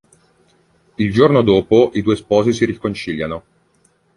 Il giorno dopo, i due sposi si riconciliano.